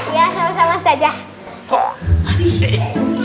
iya sama sama sdajah